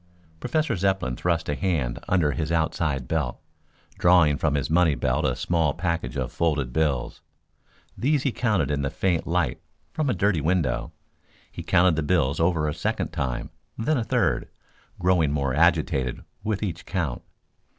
Professor Zepplin thrust a hand under his outside belt, drawing from his money belt a small package of folded bills. These he counted in the faint light from a dirty window. He counted the bills over a second time, then a third, growing more agitated with each count.